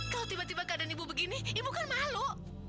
kalau tiba tiba keadaan ibu begini ibu kan malu